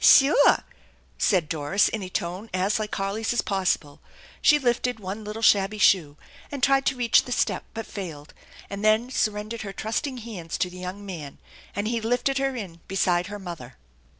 " Soor !" said Doris in a tone as like Harley's as possible. She lifted one little shabby shoe, and tried to reach the step, but failed, and then surrendered her trusting hands to the young man ; and he lifted her in beside her mother.